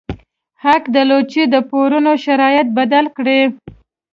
حق درلود چې د پورونو شرایط بدل کړي.